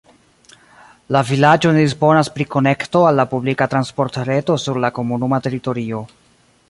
La vilaĝo ne disponas pri konekto al la publika transportreto sur la komunuma teritorio.